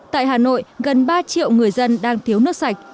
tại hà nội gần ba triệu người dân đang thiếu nước sạch